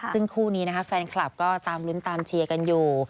ซึ่งคู่นี้นะคะแฟนคลับก็ตามลุ้นตามเชียร์กันอยู่